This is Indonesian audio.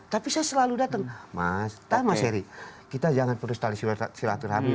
tapi saya selalu datang mas tahu mas heri kita jangan percaya pada syarat syarat terhami